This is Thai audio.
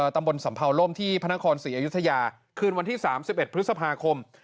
ตำบลสำเภาล่มที่พระนครศรีอยุธยาคืนวันที่๓๑พฤษภาคม